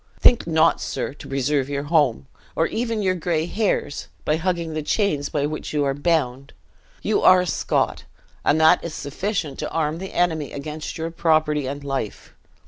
Think not, sir, to preserve your home, or even your gray hairs, by hugging the chains by which you are bound. You are a Scot, and that is sufficient to arm the enemy against your property and life.